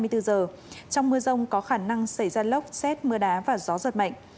trong mưa rông có khả năng xảy ra lốc xét mưa đá và gió giật mạnh